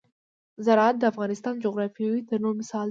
زراعت د افغانستان د جغرافیوي تنوع مثال دی.